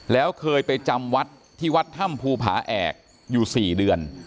แล้วเคยไปจำวัดที่วัดถ้ำภูผาแอกอยู่๔เดือน